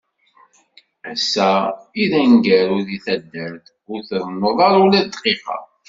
Ass-a i d aneggaru-k di taddart, ur trennuḍ ara ula d dqiqa.